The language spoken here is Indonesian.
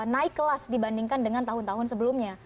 naik kelas dibandingkan dengan tahun tahun sebelumnya